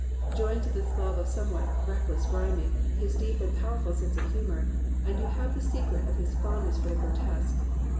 Join to this love of somewhat reckless rhyming, his deep and powerful sense of humour, and you have the secret of his fondness for the grotesque.